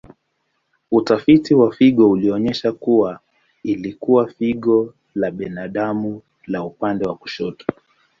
Utafiti wa figo ulionyesha kuwa ilikuwa figo la kibinadamu la upande wa kushoto.